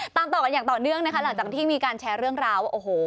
ตามต่อกันอย่างต่อเนื่องหลังจากที่มีการแชร์เรื่องราว